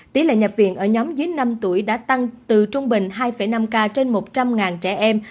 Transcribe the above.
tỷ lệ nhập viện ở nhóm dưới năm tuổi đã tăng từ trung bình hai năm ca trên một trăm linh trẻ em